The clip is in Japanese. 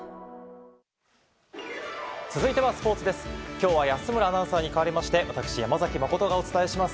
今日は安村アナウンサーに代わりまして私、山崎誠がお伝えします。